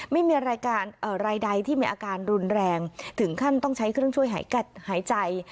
ไม่มีรายการรายใดที่มีอาการรุนแรงถึงขั้นต้องใช้เครื่องช่วยหายใจ